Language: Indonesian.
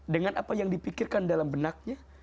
dengan apa yang dipikirkan dalam benaknya